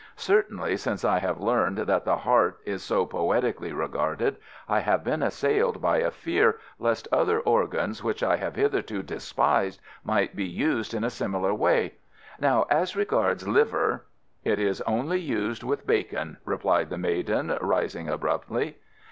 Certainly, since I have learned that the heart is so poetically regarded, I have been assailed by a fear lest other organs which I have hitherto despised might be used in a similar way. Now, as regards liver " "It is only used with bacon," replied the maiden, rising abruptly.